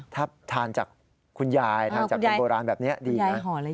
ถ้าทานจากคุณยายทานจากคนโบราณแบบนี้ดีนะ